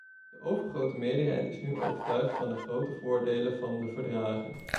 De overgrote meerderheid is nu overtuigd van de grote voordelen van de verdragen.